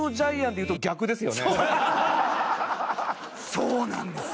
そうなんです。